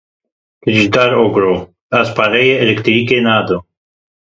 Kiliçdaroglu, ez pereyê elektrîkê nadim.